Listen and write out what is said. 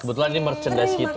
kebetulan ini merchandise kita